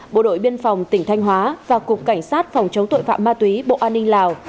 bộ đội biên phòng tỉnh thanh hóa và cục cảnh sát phòng chống tội phạm ma túy bộ an ninh lào